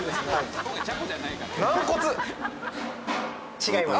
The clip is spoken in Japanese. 違います。